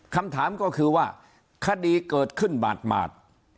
คำถามก็คือว่าคดีเกิดขึ้นบาด